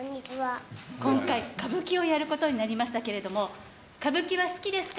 今回、歌舞伎をやることになりましたけれども、歌舞伎は好きですか？